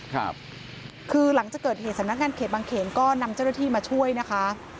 คือหลังจากเกิดเหตุสำนักงานเขตบางเขนก็นำเจ้าหน้าที่มาช่วยนะคะ